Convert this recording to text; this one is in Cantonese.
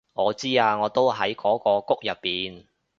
我知啊我都喺嗰個谷入面